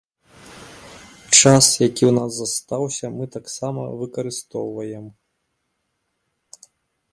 Час, які ў нас застаўся, мы таксама выкарыстоўваем.